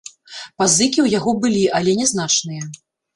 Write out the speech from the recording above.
Пазыкі ў яго былі, але нязначныя.